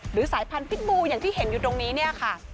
หรือสายพันธุ์พิษบูรณ์อย่างที่เห็นอยู่ตรงนี้ค่ะ